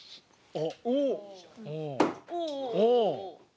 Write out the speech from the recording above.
おお！